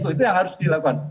itu yang harus dilakukan